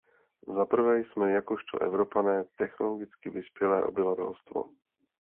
Zaprvé jsme jakožto Evropané technologicky vyspělé obyvatelstvo.